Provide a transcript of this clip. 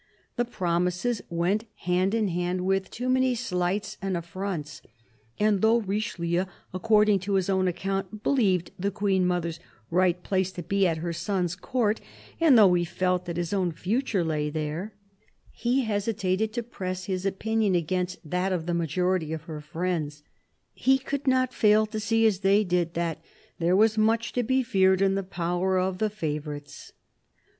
The promises went hand in hand with too many slights and affronts ; and though Richelieu, according to his own account, believed the Queen mother's right place to be at her son's Court, and though he felt that his own future lay there, he hesitated to press his opinion against that of the majority of her friends. He could not fail to see, as they did, that " there was much to be feared in the power of the favourites."